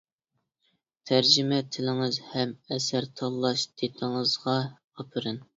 تەرجىمە تىلىڭىز ھەم ئەسەر تاللاش دىتىڭىزغا ئاپىرىن.